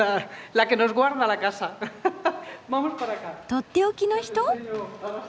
とっておきの人？